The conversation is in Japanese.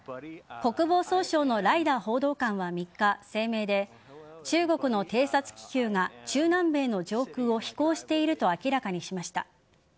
国防総省のライダー報道官は３日、声明で中国の偵察気球が中南米の上空を飛行していると明らかにしました。